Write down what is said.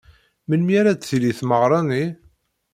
Melmi ara d-tili tmeɣra-nni?